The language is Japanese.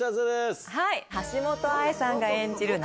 橋本愛さんが演じる